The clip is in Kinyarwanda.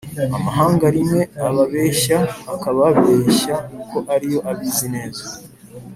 Amahanga rimwe ababeshya Akababeshya ko ariyo abizi neza